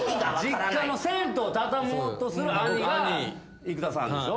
実家の銭湯を畳もうとする兄が生田さんでしょ。